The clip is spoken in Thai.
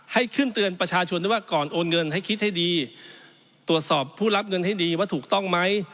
ให้ขึ้นเตือนประชาชนด้วยว่าก่อนโอนเงินให้คิดให้ดีตรวจสอบผู้รับเงินให้ดีว่าถูกต้องไหม